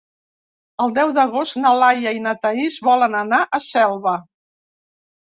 El deu d'agost na Laia i na Thaís volen anar a Selva.